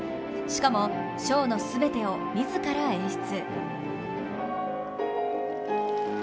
しかも、ショーの全てを自ら演出。